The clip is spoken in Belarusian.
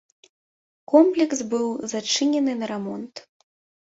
Комплекс быў зачынены на рамонт.